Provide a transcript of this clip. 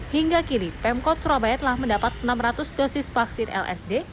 hingga kini pemkot surabaya telah mendapat enam ratus dosis vaksin lsd